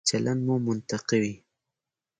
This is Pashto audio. چلند مو منطقي وي.